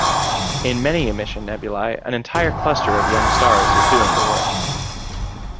In many emission nebulae, an entire cluster of young stars is doing the work.